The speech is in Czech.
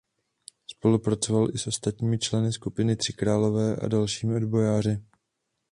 Spolupracoval i s ostatními členy skupiny Tři králové a dalšími odbojáři.